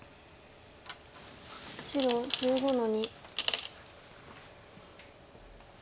白１５の二。